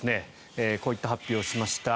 こういった発表をしました。